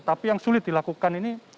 tapi yang sulit dilakukan ini